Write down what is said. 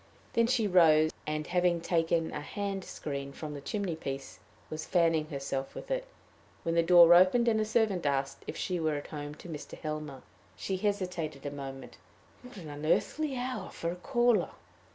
Then she rose, and, having taken a hand screen from the chimney piece, was fanning herself with it, when the door opened, and a servant asked if she were at home to Mr. Helmer. She hesitated a moment: what an unearthly hour for a caller!